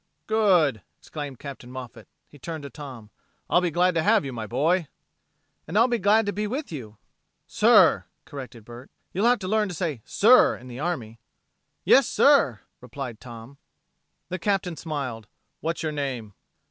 "Good!" exclaimed Captain Moffat. He turned to Tom. "I 'll be glad to have you, my boy!" "And I'll be glad to be with you." "Sir!" corrected Bert. "You'll have to learn to say 'sir' in the army." "Yes sir!" replied Tom. The Captain smiled: "What's your name?"